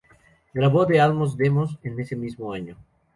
Grabó "The Almost Demos" en ese mismo año.